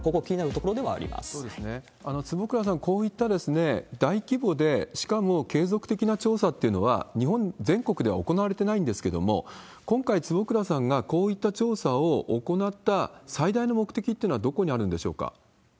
坪倉さん、こういった大規模で、しかも継続的な調査っていうのは、日本全国では行われてないんですけれども、今回、坪倉さんがこういった調査を行った最大の目的っていうのはどこにあるんでしょうか？